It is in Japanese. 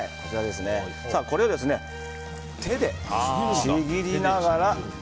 これを手でちぎりながら。